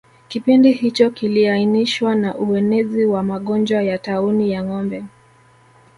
Kipindi hicho kiliainishwa na uenezi wa magonjwa ya tauni ya ngombe